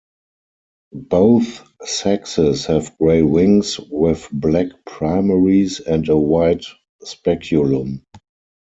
Both sexes have grey wings with black primaries and a white speculum.